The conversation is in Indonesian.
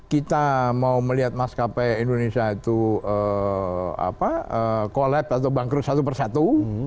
kita mau melihat maskapai indonesia itu collapse atau bangkrut satu per satu